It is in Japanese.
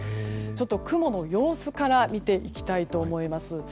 ちょっと雲の様子から見ていきたいと思います。